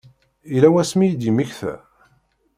Yella wasmi i d-yemmekta?